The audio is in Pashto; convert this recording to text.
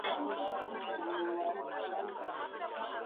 موږ په اصل او نسب سره خپلوان یو-